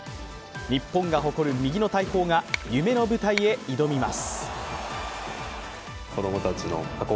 日本が誇る右の大砲が夢の舞台へ挑みます。